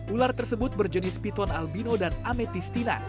ular tersebut berjenis piton albino dan ametistina